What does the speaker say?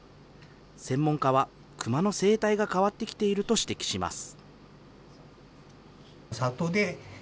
専門家は、クマの生態が変わってきていると指摘します。